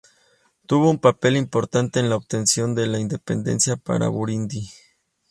Tuvo un papel importante en la obtención de la independencia para Burundi.